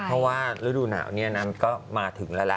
เพราะว่ารูดูหนาวนี่อันนั้นก็มาถึงแล้วแหละ